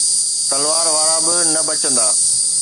تلوار وارا به نه بچندا.